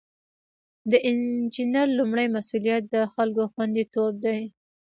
د انجینر لومړی مسؤلیت د خلکو خوندیتوب دی.